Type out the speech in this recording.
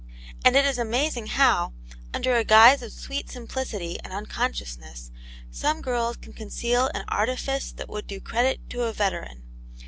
And it is amazing how, under a guise of sweet simplicity and uncon sciousness, some girls can conceal an artifice that would do credit to a veteran.